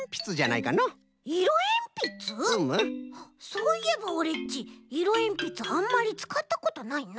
そういえばオレっちいろえんぴつあんまりつかったことないな。